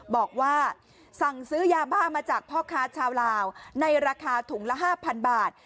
บอกว่าสั่งซื้อยาบ้ามาจากพ่อค้าชาวลาวในราคาถุงละ๕๐๐บาท